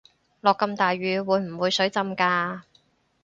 落咁大雨會唔會水浸架